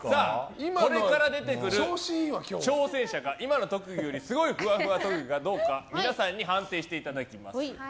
これから出てくる挑戦者が今の特技よりすごいふわふわ特技かどうか皆さんに判定していただきます。